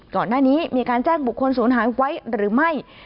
ก่อนหน้านี้มีการแจ้งบุคคลศูนย์หายไว้หรือไม่